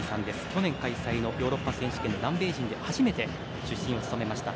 去年開催のヨーロッパ選手権で南米人で初めて主審を務めました。